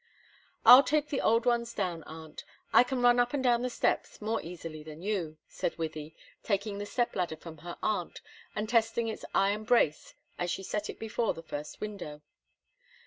"I'll take the old ones down, aunt; I can run up and down the steps more easily than you," said Wythie, taking the step ladder from her aunt, and testing its iron brace as she set it before the first window.